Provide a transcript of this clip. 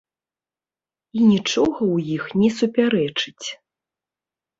І нічога ў іх не супярэчыць.